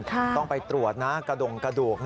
ต้องไปตรวจตลกรจะดูก